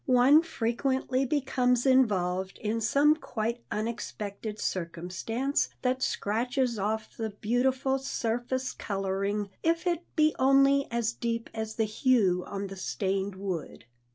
One frequently becomes involved in some quite unexpected circumstance that scratches off the beautiful surface coloring, if it be only as deep as the hue on the stained wood.